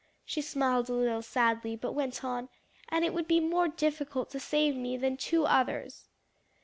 She smiled a little sadly, but went on, "and it would be more difficult to save me than two others."